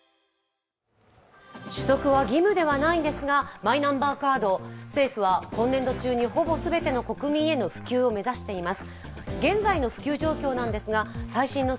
取得は義務ではないんですが、マイナンバーカードを政府は今年度中にほぼ全ての国民への普及を目指しています。